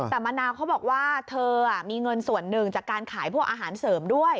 แต่มะนาวเขาบอกว่าเธอมีเงินส่วนหนึ่งจากการขายพวกอาหารเสริมด้วย